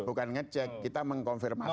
bukan ngecek kita mengkonfirmasi